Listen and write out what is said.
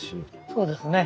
そうですね。